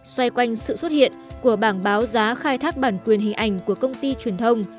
xoay quanh sự xuất hiện của bảng báo giá khai thác bản quyền hình ảnh của công ty truyền thông